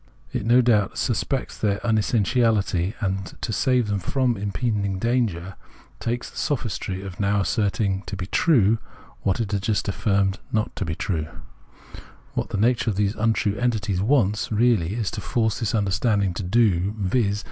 It no doubt suspects their unessentiality ; and, to save them from the impending danger, it takes to the sophistry of Perception 123 now asserting to be true what it had just affirmed to be not true. What the nature of these untrue entities wants really to force this understanding to do — viz.